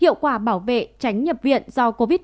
hiệu quả bảo vệ tránh nhập viện do covid một mươi chín